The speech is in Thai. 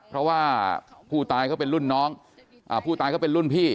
เพราะว่าผู้ตายเขาเป็นรุ่นน้องผู้ตายเขาเป็นรุ่นพี่